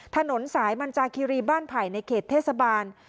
ถนนสายมันจาคิรีบ้านไผ่ในเขตเทศบาล